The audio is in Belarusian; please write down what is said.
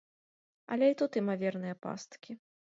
Але і тут імаверныя пасткі.